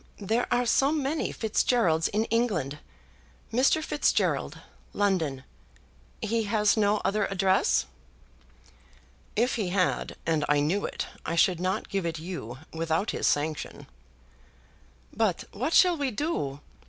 There are so many Fitzgeralds in England. Mr. Fitzgerald, London; he has no other address?" "If he had, and I knew it, I should not give it you without his sanction." "But what shall we do?